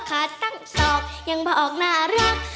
ขาดตั้งสอกยังเพราะออกน่ารัก